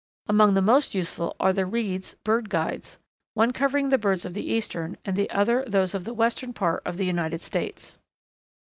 Among the most useful are the Reed's, "Bird Guides," one covering the birds of the eastern and the other those of the western part of the United States.